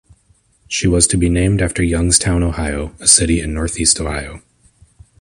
She was to be named after Youngstown, Ohio, a city in Northeast Ohio.